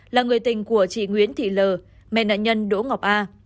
là người tình của chị nguyễn thị l mẹ nạn nhân đỗ ngọc a